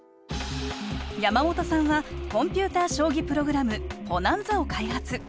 山本さんはコンピューター将棋プログラムＰｏｎａｎｚａを開発。